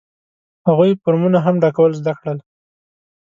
هغوی فورمونه هم ډکول زده کړل.